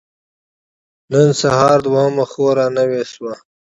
نن سهار دوهمه خور را نوې شوه.